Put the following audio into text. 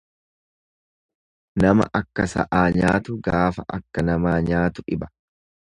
Nama akka sa'aa nyaatu gaafa akka namaa nyaatu dhiba.